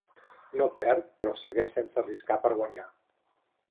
No perd però segueix sense arriscar per guanyar.